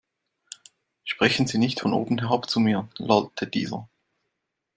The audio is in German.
Sprechen Sie nicht von oben herab zu mir, lallte dieser.